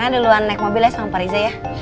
nanti dulu naik mobil aja sama pak riza ya